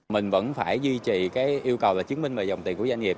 mình vẫn phải duy trì cái yêu cầu là chứng minh về dòng tiền của doanh nghiệp